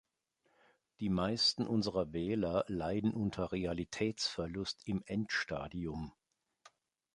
Die meisten unserer Wähler leiden unter Realitätsverlust im Endstadium.